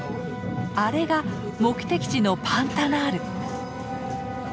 あれが目的地のパンタナール！